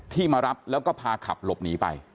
มารับแล้วก็พาขับหลบหนีไป